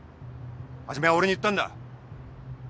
始は俺に言ったんだ。